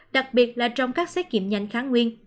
đặc biệt là trong các xét nghiệm nhanh kháng nguyên